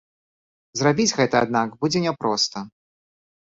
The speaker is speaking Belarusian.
Зрабіць гэта, аднак, будзе не проста.